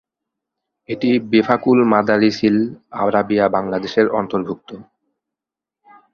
এটি বেফাকুল মাদারিসিল আরাবিয়া বাংলাদেশের অন্তর্ভুক্ত।